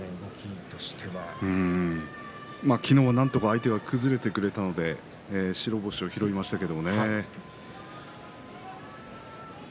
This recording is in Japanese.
昨日、なんとか相手が崩れてくれたので白星を拾いましたが。